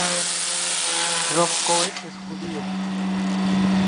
Rob Cohen es judío.